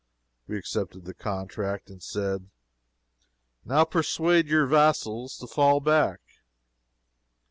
We accepted the contract, and said "Now persuade your vassals to fall back."